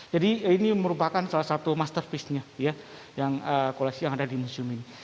ini merupakan salah satu masterpace nya yang koleksi yang ada di museum ini